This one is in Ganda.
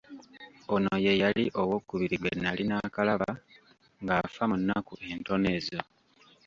Ono ye yali ow'okubiri gwe nali nnaakalaba ng'afa mu nnaku entono ezo.